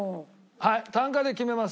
はい単価で決めます。